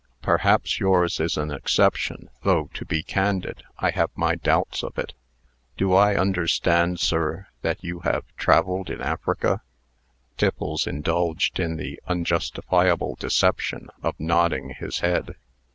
Perhaps yours is an exception, though, to be candid, I have my doubts of it. Do I understand, sir, that you have travelled in Africa?" Tiffles indulged in the unjustifiable deception of nodding his head.